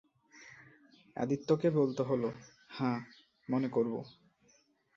আদিত্যকে বলতে হল, হাঁ, মনে করব।